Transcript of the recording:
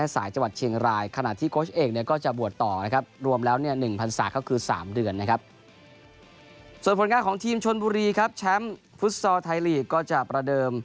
ส่วนผลงานของทีมชนบุรีครับแชมป์ฟุตซอลไทยลีกก็จะประเดิม